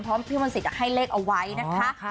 เพราะพี่มนต์สิทธิ์ให้เลขเอาไว้นะคะ